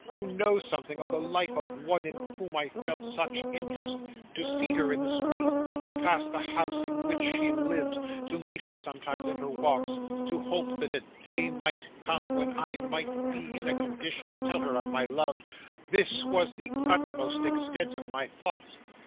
To know something of the life of one in whom I felt such interest; to see her in the street, to pass the house in which she lived, to meet her sometimes in her walks, to hope that a day might come when I might be in a condition to tell her of my love, this was the utmost extent of my thoughts.